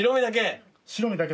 白身だけ？